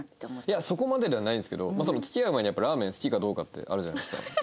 いやそこまでではないんですけど付き合う前にやっぱラーメン好きかどうかってあるじゃないですか。